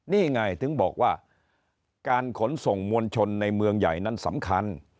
นี่ไงถึงบอกว่าการขนส่งมวลชนในเมืองใหญ่นั้นสำคัญ